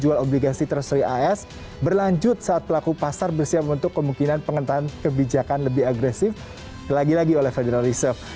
jual obligasi treasury as berlanjut saat pelaku pasar bersiap untuk kemungkinan pengentaan kebijakan lebih agresif lagi lagi oleh federal reserve